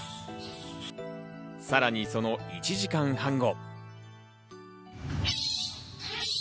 さらにその１時間半後。